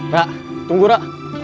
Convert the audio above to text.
ra tunggu ra